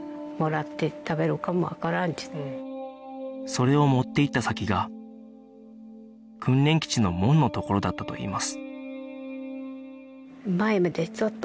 それを持っていった先が訓練基地の門のところだったといいます